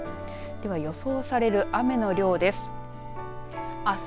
では予想される雨の量です。